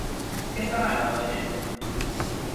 Què es demana a la gent?